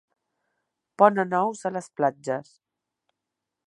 Ponen ous a les platges.